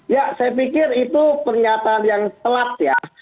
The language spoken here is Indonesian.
ya saya pikir itu pernyataan yang telat ya